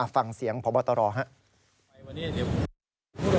ฟังเสียงพบตรครับ